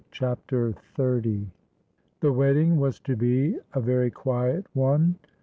CHAPTER XXX The wedding was to be a very quiet one.